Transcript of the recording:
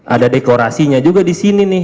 ada dekorasinya juga disini nih